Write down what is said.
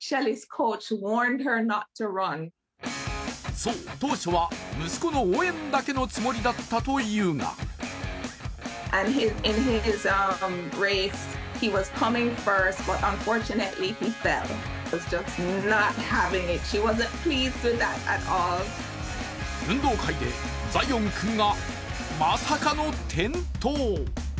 そう、当初は息子の応援だけのつもりだったというが運動会でザイオン君がまさかの転倒。